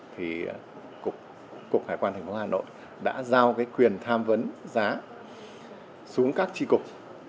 thì cục hải quan hà nội đã giao quyền tham vấn giá xuống các tri cục